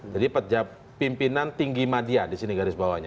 jadi pimpinan tinggi media di sini garis bawahnya